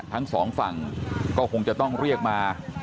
ทั้งสองฝั่งก็คงจะต้องเรียกมา